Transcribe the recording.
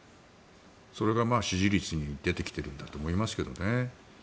それが支持率に出てきているんだと思いますけどね。